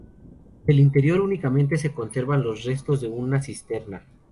Del interior únicamente se conservan los restos de una cisterna.